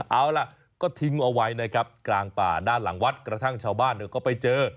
เอาล่ะก็ทิ้งเอาไว้นะครับกลางป่าด้านหลังวัดกระทั่งชาวบ้านก็ไปเจอ